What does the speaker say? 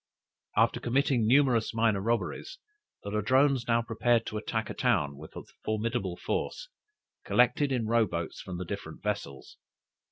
After committing numerous minor robberies, "The Ladrones now prepared to attack a town with a formidable force, collected in row boats from the different vessels.